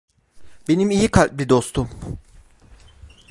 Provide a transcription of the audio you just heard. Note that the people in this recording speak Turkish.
Benim iyi kalpli dostum.